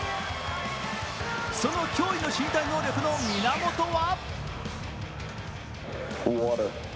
その驚異の身体能力の源は？